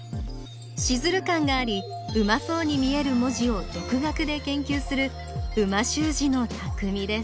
シズル感がありうまそうに見える文字を独学で研究する美味しゅう字のたくみです